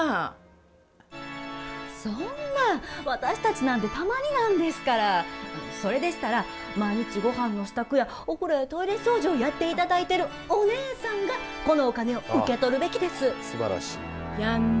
そんな私たちに、何私達なんかたまになんですからそれでしたら、毎日ご飯の支度やお風呂やトイレ掃除をやっていただいているお姉さんがやんな。